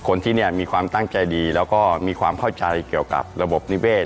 คนที่เนี่ยมีความตั้งใจดีแล้วก็มีความเข้าใจเกี่ยวกับระบบนิเวศ